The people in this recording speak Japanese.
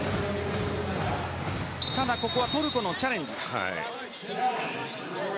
ただ、ここはトルコのチャレンジ。